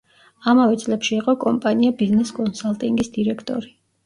ამავე წლებში იყო კომპანია „ბიზნეს კონსალტინგის“ დირექტორი.